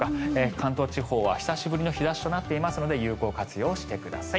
関東地方は久しぶりの日差しとなっていますので有効活用してください。